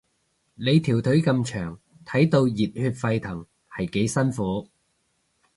你條腿咁長，睇到熱血沸騰係幾辛苦